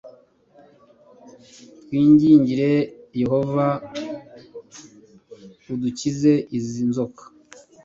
twingingire yehova adukize izi nzoka